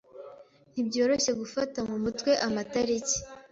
Ntibyoroshye gufata mu mutwe amatariki.